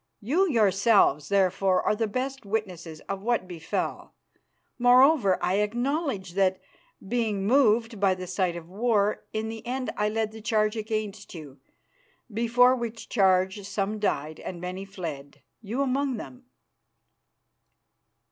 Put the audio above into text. You yourselves, therefore, are the best witnesses of what befell. Moreover, I acknowledge that, being moved by the sight of war, in the end I led the charge against you, before which charge some died and many fled, you among them."